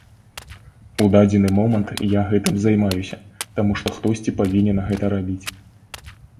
У дадзены момант я гэтым займаюся, таму што хтосьці павінен гэта рабіць.